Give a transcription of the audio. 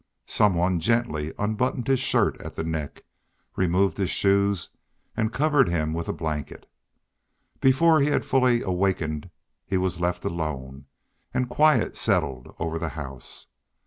Some one gently unbuttoned his shirt at the neck, removed his shoes, and covered him with a blanket. Before he had fully awakened he was left alone, and quiet settled over the house.